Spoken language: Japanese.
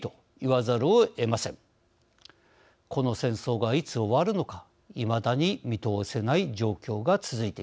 この戦争がいつ終わるのかいまだに見通せない状況が続いています。